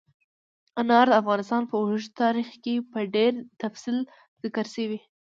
انار د افغانستان په اوږده تاریخ کې په ډېر تفصیل ذکر شوي.